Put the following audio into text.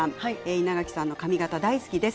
稲垣さんの髪形大好きです。